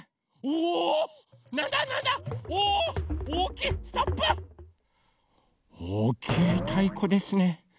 おおきいたいこですね。